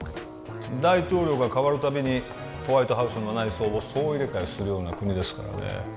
大統領がかわるたびにホワイトハウスの内装を総入れ替えするような国ですからね